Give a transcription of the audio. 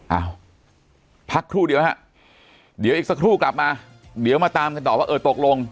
พักครู่เดียวฮะเดี๋ยวอีกสักครู่กลับมาเดี๋ยวมาตามกันต่อว่าเออตกลง